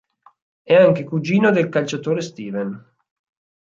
È anche cugino del calciatore Steven.